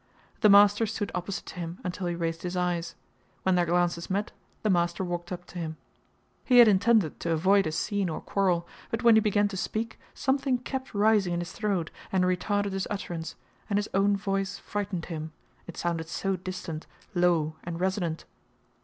The master stood opposite to him until he raised his eyes; when their glances met, the master walked up to him. He had intended to avoid a scene or quarrel, but when he began to speak, something kept rising in his throat and retarded his utterance, and his own voice frightened him, it sounded so distant, low, and resonant.